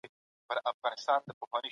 دولت باید یوازي لارښود وي.